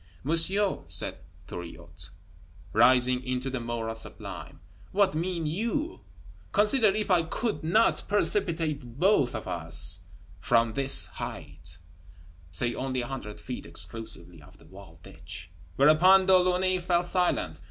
"Monsieur," said Thuriot, rising into the moral sublime, "what mean you? Consider if I could not precipitate both of us from this height," say only a hundred feet, exclusive of the walled ditch! Whereupon De Launay fell silent.